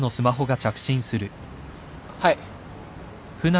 はい。